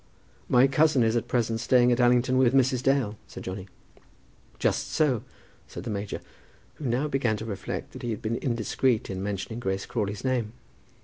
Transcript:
"My cousin is at present staying at Allington with Mrs. Dale," said Johnny. "Just so," said the major, who now began to reflect that he had been indiscreet in mentioning Grace Crawley's name.